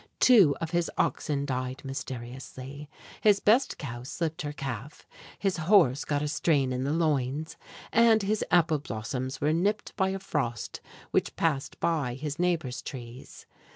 Two of his oxen died mysteriously, his best cow slipped her calf, his horse got a strain in the loins, and his apple blossoms were nipped by a frost which passed by his neighbors' trees.